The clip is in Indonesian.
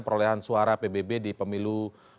perolehan suara pbb di pemilu dua ribu sembilan belas